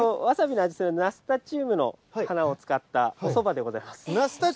わさびの味するナスタチュームの花を使ったおそばでございます。